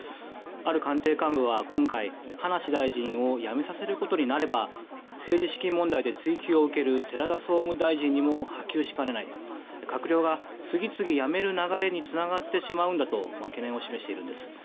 ある官邸幹部は今回、葉梨大臣を辞めさせることになれば政治資金問題で追及を受ける寺田総務大臣にも波及しかねない閣僚が次々辞める流れにつながってしまうと懸念を示しているんです。